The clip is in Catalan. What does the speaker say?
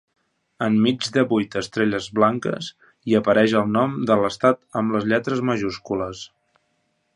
Enmig de vuit estrelles blanques, hi apareix el nom de l'estat amb les lletres majúscules.